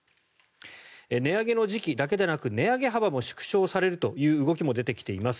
値上げの時期だけでなく値上げ幅も縮小されるという動きも出てきています。